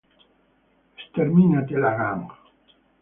Sterminate la gang!